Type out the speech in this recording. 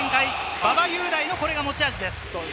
馬場雄大のこれが持ち味です。